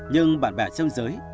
nhưng bạn bè trong giới